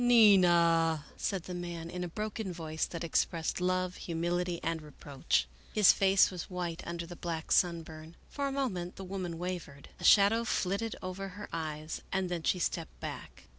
" Nina !" said the man, in a broken voice that expressed love, humility, and reproach. His face was white under the black sunburn. For a moment the woman wavered. A shadow flitted over her eyes, then she stepped back.